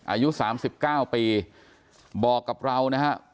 อายุสามสิบเก้าปีบอกกับเรานะครับ